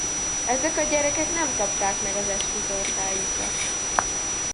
Ezek a gyerekek nem kapták meg az esti tortájukat.